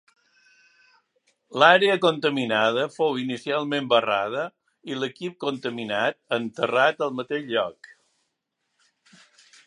L'àrea contaminada fou inicialment barrada i l'equip contaminat enterrat al mateix lloc.